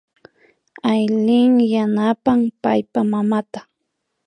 Aylin yanapan paypa mamata